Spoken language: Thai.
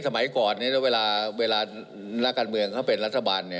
สมัยก่อนเวลานักการเมืองเขาเป็นรัฐบาล